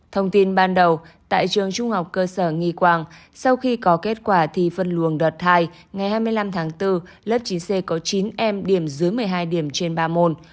thông tin ban đầu tại trường trung học cơ sở nghì quảng sau khi có kết quả thi phân luồng đợt hai ngày hai mươi năm tháng bốn lớp chín c có chín em điểm dưới một mươi hai điểm trên ba môn